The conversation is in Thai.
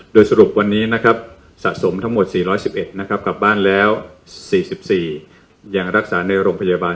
โดยสรุปวันนี้นะครับสะสมทั้งหมด๔๑๑นะครับกลับบ้านแล้ว๔๔ยังรักษาในโรงพยาบาล